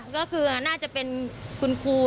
ก็คือน่าจะเป็นคุณครูด้วยไว้